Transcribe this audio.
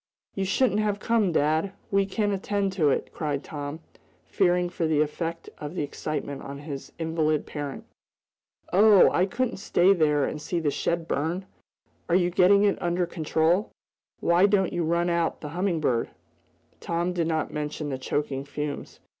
"You shouldn't have come, dad! We can attend to it!" cried Tom, fearing for the effect of the excitement on his invalid parent. "Oh, I couldn't stay there and see the shed burn. Are you getting it under control? Why don't you run out the Humming Bird?" Tom did not mention the choking fumes.